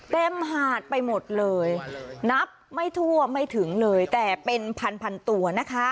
มหาดไปหมดเลยนับไม่ทั่วไม่ถึงเลยแต่เป็นพันพันตัวนะคะ